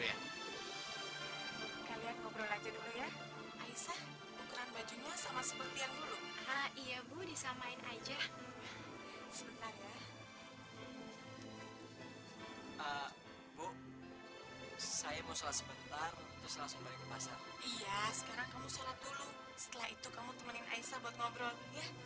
iya sekarang kamu sholat dulu setelah itu kamu temenin aisah buat ngobrol ya